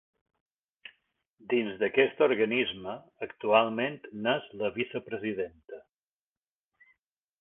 Dins d'aquest organisme, actualment n'és la vicepresidenta.